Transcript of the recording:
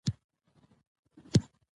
خلک د خپلو تولیداتو له لارې عاید ترلاسه کوي.